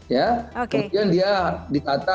ya kemudian dia ditata